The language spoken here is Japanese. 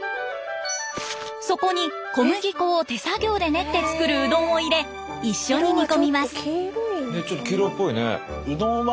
そこに小麦粉を手作業で練ってつくるうどんを入れ一緒に煮込みます。